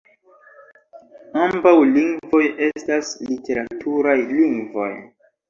Ambaŭ lingvoj estas literaturaj lingvoj.